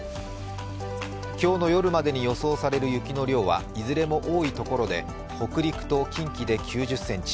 今日の夜までに予想される雪の量はいずれも多いところで北陸と近畿で９０ｃｍ。